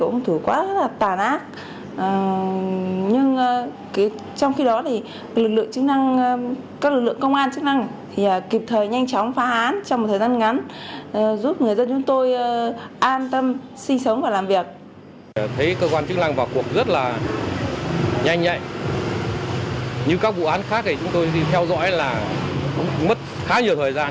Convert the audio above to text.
như các vụ án khác thì chúng tôi đi theo dõi là mất khá nhiều thời gian